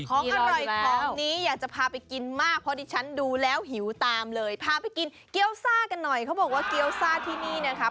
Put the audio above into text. ของอร่อยของนี้อยากจะพาไปกินมากเพราะดิฉันดูแล้วหิวตามเลยพาไปกินเกี้ยวซ่ากันหน่อยเขาบอกว่าเกี้ยวซ่าที่นี่นะคะ